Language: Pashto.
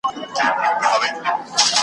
د خپلي مېني له چنارونو .